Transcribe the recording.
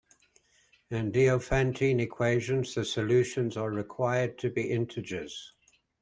In Diophantine equations the solutions are required to be integers.